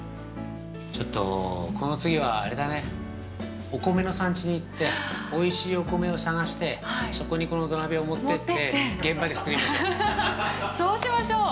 ◆ちょっと、この次はあれだねお米の産地に行っておいしいお米を探してそこに、この土鍋を持ってって現場で作りましょう。